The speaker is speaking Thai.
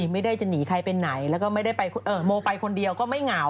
ไม่ได้จะหนีใครไปไหนแล้วก็ไม่ได้ไปโมไปคนเดียวก็ไม่เหงา